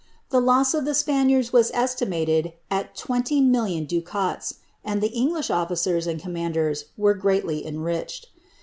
The loss of the Spaniards was ited at 20,000,000 ducats, and the English officers and commanders greatly enriched.